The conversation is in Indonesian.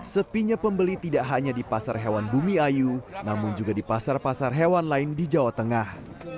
sepinya pembeli tidak hanya di pasar hewan bumi ayu namun juga di pasar pasar hewan lain di jawa tengah